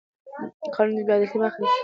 قانون د بې عدالتۍ مخه نیسي